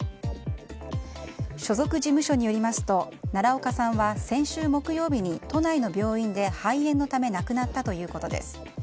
所属事務所によりますと奈良岡さんは先週木曜日に都内の病院で肺炎のため亡くなったということです。